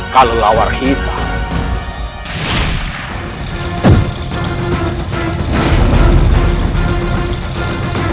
kalau lawan kita